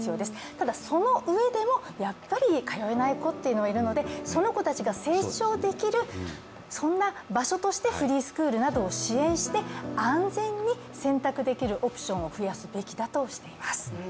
ただそのうえでもやっぱり通えない子はいるのでその子たちが成長できる、そんな場所としてフリースクールなどを支援して安全に選択できるオプションを増やすべきだとしています。